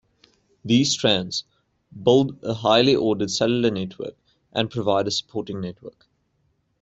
These strands build a highly ordered cellular network and provide a supporting network.